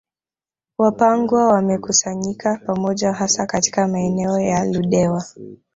Wapangwa wamekusanyika pamoja hasa katika maeneo ya Ludewa